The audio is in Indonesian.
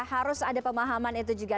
harus ada pemahaman itu juga